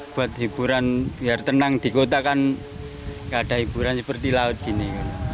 buat hiburan biar tenang di kota kan gak ada hiburan seperti laut gini